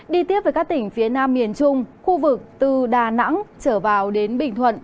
đi tiếp với các tỉnh phía nam miền trung khu vực từ đà nẵng trở vào đến bình thuận